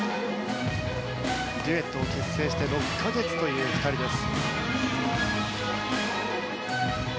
デュエットを結成して６か月という２人です。